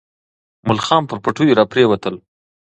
ملخان پر پټیو راپرېوتل.